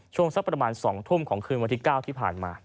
สักประมาณ๒ทุ่มของคืนวันที่๙ที่ผ่านมา